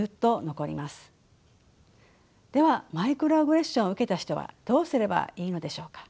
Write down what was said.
ではマイクロアグレッションを受けた人はどうすればいいのでしょうか。